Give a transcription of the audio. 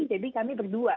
jadi kami berdua